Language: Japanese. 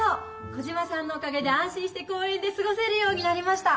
コジマさんのおかげで安心して公園で過ごせるようになりました。